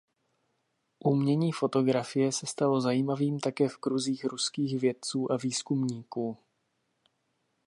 Umění fotografie se stalo zajímavým také v kruzích ruských vědců a výzkumníků.